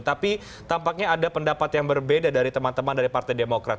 tapi tampaknya ada pendapat yang berbeda dari teman teman dari partai demokrat